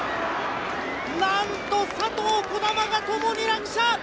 なんと佐藤、児玉がともに落車！